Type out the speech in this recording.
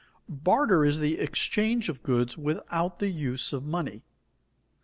_Barter is the exchange of goods without the use of money.